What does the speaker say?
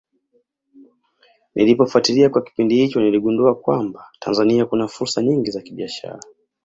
Nilipofatilia kwa kipindi hicho niligundua kwamba Tanzania kuna fursa nyingi za kibiashara